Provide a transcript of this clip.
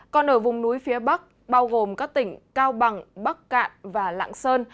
còn ở vùng núi phía bắc bao gồm các tỉnh cao bằng bắc cạn và lạng sơn